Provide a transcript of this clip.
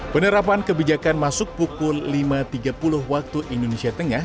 penerapan kebijakan masuk pukul lima tiga puluh waktu indonesia tengah